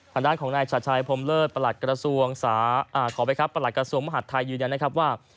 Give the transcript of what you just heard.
ผ่านด้านของนายชาชัยพรมเลิศประหลาดกระทรวงมหาส์ไทยอยู่นี้นะครับว่า